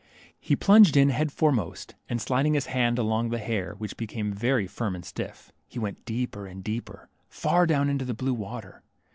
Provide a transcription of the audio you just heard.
He plunged in head foremost, and, sliding his hand along the hair, which became very firm and stiff, he went deeper and deeper, far down into the blue water.